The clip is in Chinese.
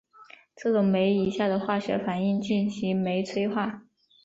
这种酶以下的化学反应进行酶催化。